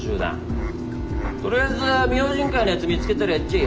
とりあえず「明神会」のやつ見つけたらやっちゃえ。